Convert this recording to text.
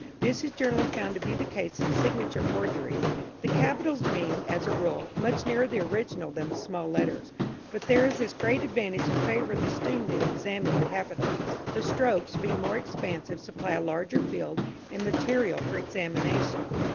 This is generally found to be the case in signature forgeries, the capitals being, as a rule, much nearer the original than the small letters. But there is this great advantage in favour of the student in examining capitals the strokes being more expansive supply a larger field and material for examination.